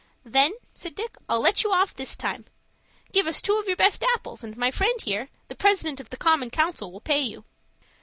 "Then," said Dick, "I'll let you off this time. Give us two of your best apples, and my friend here, the President of the Common Council, will pay you."